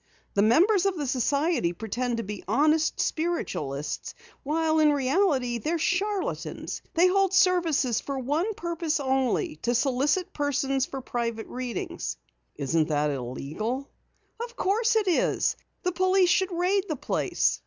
The members of the society pretend to be honest spiritualists, while in reality they're charlatans. They hold services for one purpose only to solicit persons for private readings." "Isn't that illegal?" "Of course it is. The police should raid the place."